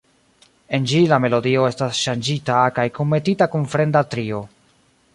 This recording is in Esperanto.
En ĝi la melodio estas ŝanĝita kaj kunmetita kun fremda trio.